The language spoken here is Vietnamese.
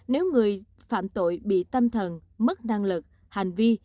nếu người phạm tội bị tâm thần mất năng lực hành vi